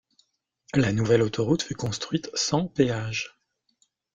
La nouvelle autoroute fut construite sans péages.